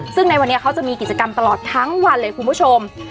ซึ่งในวันนี้เขาจะมีกิจกรรมตลอดทั้งวันเลยคุณผู้ชม